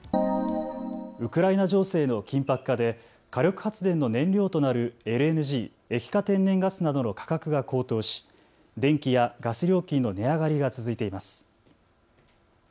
ウクライナ情勢の緊迫化で火力発電の燃料となるＬＮＧ・液化天然ガスなどの価格が高騰し電気やガス料金の値上がりが続いています。